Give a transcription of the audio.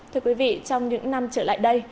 thưa quý vị trong những năm trở lại đây